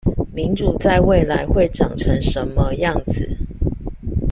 民主在未來會長成什麼樣子？